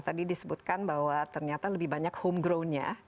tadi disebutkan bahwa ternyata lebih banyak homegrown nya